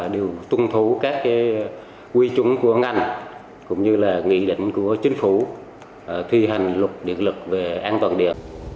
đều tuân thủ các quy trung của ngành cũng như là nghị định của chính phủ thi hành lục điện lực về an toàn địa